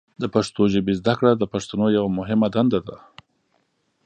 د پښتو ژبې زده کړه د پښتنو یوه مهمه دنده ده.